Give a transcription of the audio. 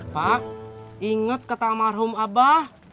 pak inget kata almarhum abah